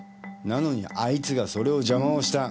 なのにあいつがそれを邪魔をした。